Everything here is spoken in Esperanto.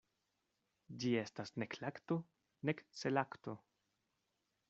Ĝi estas nek lakto, nek selakto.